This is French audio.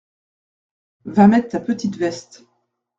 Va mettre ta petite veste.